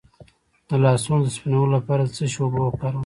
د لاسونو د سپینولو لپاره د څه شي اوبه وکاروم؟